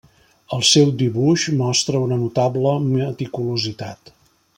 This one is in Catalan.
El seu dibuix mostra una notable meticulositat.